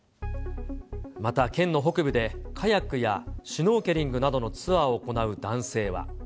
また県の北部で、カヤックやシュノーケリングなどのツアーを行う男性は。